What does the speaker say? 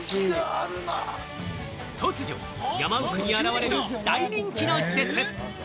突如、山奥に現れる大人気の施設。